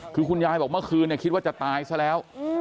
คือคุณยายบอกเมื่อคืนคิดว่าจะตายซะแล้ว